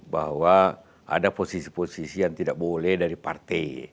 bahwa ada posisi posisi yang tidak boleh dari partai